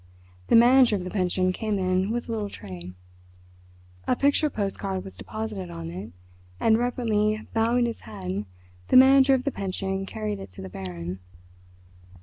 The manager of the pension came in with a little tray. A picture post card was deposited on it, and reverently bowing his head, the manager of the pension carried it to the Baron.